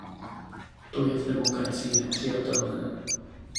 To je v demokracii nepřijatelné.